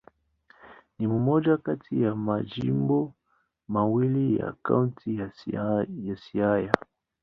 Ni moja kati ya majimbo mawili ya Kaunti ya Siaya.